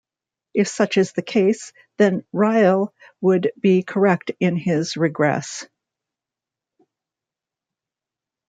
If such is the case, then Ryle would be correct in his regress.